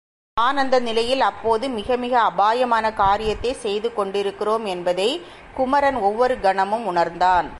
தான் அந்த நிலையில் அப்போது மிகமிக அபாயமான காரியத்தைச் செய்து கொண்டிருக்கிறோம் என்பதைக் குமரன் ஒவ்வொரு கணமும் உணர்ந்தான்.